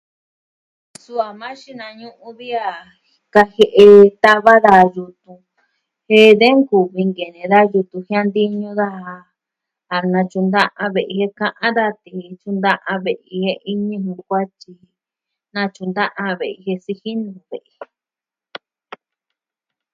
Suu a ma xinañu'u vi a kajie'e tava da yutun, jen de nkuvi nkene da yutun jiantiñu daja. A natyu'un ad ve'i ka'an daa tee tyu'un da ve'i e a ñivɨ kuatyi. Natyu'un da ve'i jen siji nuu ve.